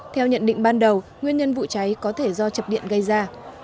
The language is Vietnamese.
theo nhận định ban đầu nguyên nhân vụ cháy có thể do chập điện gây ra